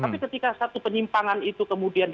tapi ketika satu penyimpangan itu kemudian